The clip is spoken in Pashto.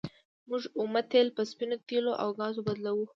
موږ اومه تیل په سپینو تیلو او ګازو بدلوو.